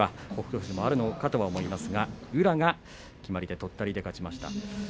富士はあるのかと思いますが宇良がとったりで勝ちました。